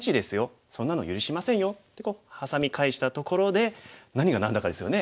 そんなの許しませんよ」ってハサミ返したところで何が何だかですよね。